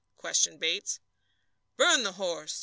questioned Bates. "Burn the horse!"